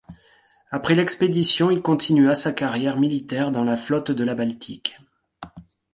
Après l'expédition, il continua sa carrière militaire dans la Flotte de la Baltique.